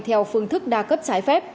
theo phương thức đa cấp trái phép